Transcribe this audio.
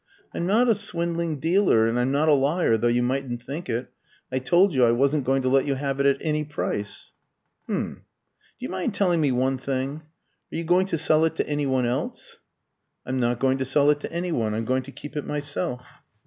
"I'm not a swindling dealer, and I'm not a liar, though you mightn't think it. I told you I wasn't going to let you have it at any price." "H'm. Do you mind telling me one thing? Are you going to sell it to any one else?" "I'm not going to sell it to any one. I'm going to keep it myself."